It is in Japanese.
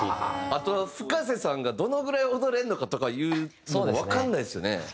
あとはＦｕｋａｓｅさんがどのぐらい踊れるのかとかいうのもわかんないですよね。